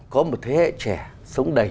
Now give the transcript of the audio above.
có một thế hệ trẻ sống đầy